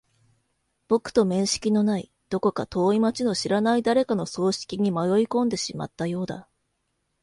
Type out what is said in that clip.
僕と面識のない、どこか遠い街の知らない誰かの葬式に迷い込んでしまったようだ。